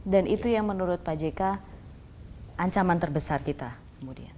itu yang menurut pak jk ancaman terbesar kita kemudian